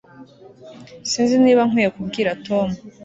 Sinzi niba nkwiye kubwira Tom